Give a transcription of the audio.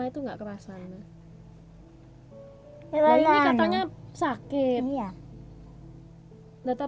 anda tidak kerasa berdiam di rumah